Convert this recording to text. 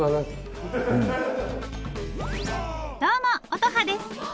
どうも乙葉です！